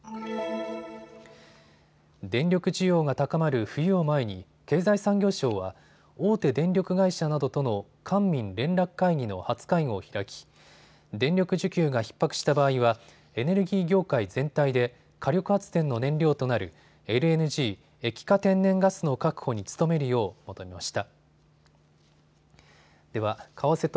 電力需要が高まる冬を前に経済産業省は大手電力会社などとの官民連絡会議の初会合を開き電力需給がひっ迫した場合はエネルギー業界全体で火力発電の燃料となるＬＮＧ・液化天然ガスの確保に努めるよう求めました。